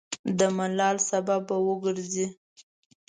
د ملال سبب به وګرځي.